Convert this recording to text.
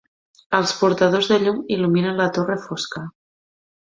Els portadors de llum il·luminen la torre fosca.